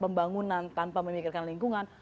pembangunan tanpa memikirkan lingkungan